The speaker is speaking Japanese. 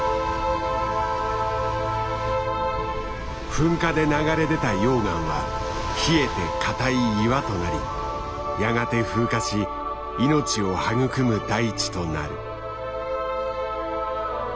噴火で流れ出た溶岩は冷えて硬い岩となりやがて風化し命を育む大地となる。